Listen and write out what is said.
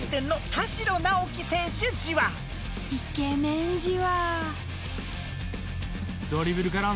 イケメンじわ。